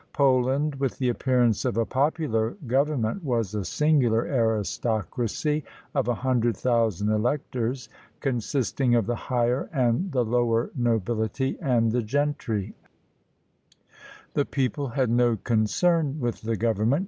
Poland, with the appearance of a popular government, was a singular aristocracy of a hundred thousand electors, consisting of the higher and the lower nobility, and the gentry; the people had no concern with the government.